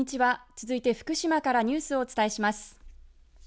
続いて福島からニュースをお伝えします。